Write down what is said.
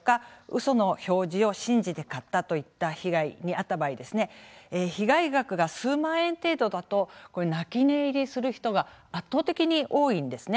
その表示を信じて買ったといった被害に遭った場合被害額が数万円程度だと泣き寝入りする人が圧倒的に多いんですね。